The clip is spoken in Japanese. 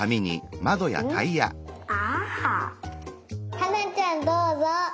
花ちゃんどうぞ。